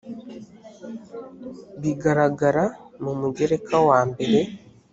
bigaragara mu mugereka wa mbere